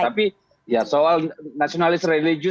tetapi ya soal nasionalis religius kan semua